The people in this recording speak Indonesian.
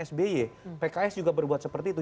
sby pks juga berbuat seperti itu